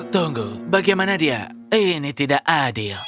tunggu bagaimana dia ini tidak adil